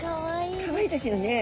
かわいいですよね。